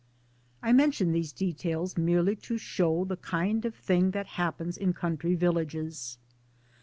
I mention these details merely to show the kind of thing that happens in country villages.